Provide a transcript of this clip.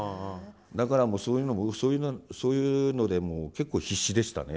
だからそういうのもそういうのでもう結構必死でしたね。